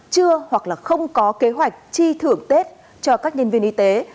chưa hoặc là không có kế hoạch chi thưởng tết cho các nhân viên y tế